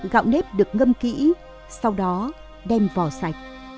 gạo nếp được ngâm kỹ sau đó đem vỏ sạch